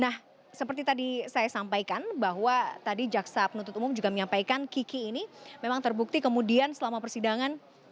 nah seperti tadi saya sampaikan bahwa tadi jaksa penuntut umum juga menyampaikan kiki ini memang terbukti kemudian selama persidangan